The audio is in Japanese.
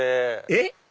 えっ？